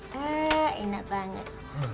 hah enak banget